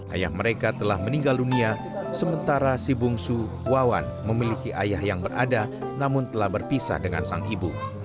ayah mereka telah meninggal dunia sementara si bungsu wawan memiliki ayah yang berada namun telah berpisah dengan sang ibu